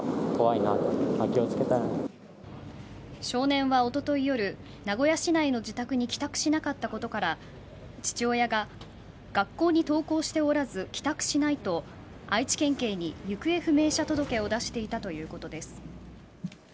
少年は、おととい夜名古屋市内の自宅に帰宅しなかったことから父親が学校に登校しておらず帰宅しないと、愛知県警に行方不明者届を出していたということです。